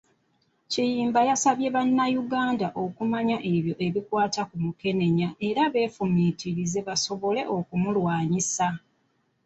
Kiyimba yasabye bannayuganda okumanya ebyo ebikwata ku Mukenenya era beefumiitirize basobole okubulwanyisa.